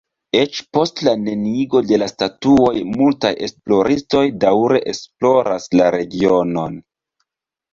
Eĉ post la neniigo de la statuoj multaj esploristoj daŭre esploras la regionon.